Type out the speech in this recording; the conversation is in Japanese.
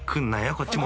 こっちも］